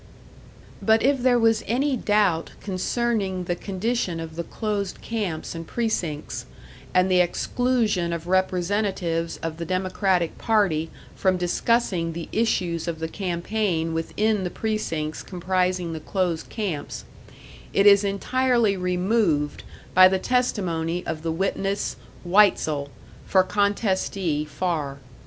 "But if there was any doubt concerning the condition of the closed camps and precincts, and the exclusion of representatives of the Democratic party from discussing the issues of the campaign within the precincts comprising the closed camps, it is entirely removed by the testimony of the witness Weitzel, for contestee (Farr).